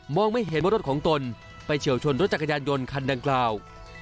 ไม่เห็นว่ารถของตนไปเฉียวชนรถจักรยานยนต์คันดังกล่าว